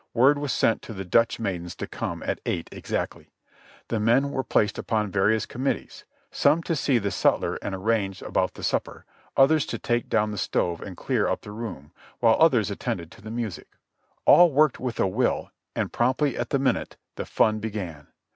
Word was sent to the Dutch maidens to come at eight exactly. The men were placed upon various committees ; some to see the sutler and ar range about the supper, others to take down the stove and clear up the room, while others attended to the music. All worked with a will and promptly at the minute the fun began.